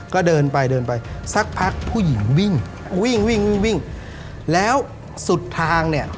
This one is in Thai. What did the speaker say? ก็เดินไปเดินไปสักพักผู้หญิงวิ่งวิ่งวิ่งวิ่งวิ่งแล้วสุดทางเนี่ย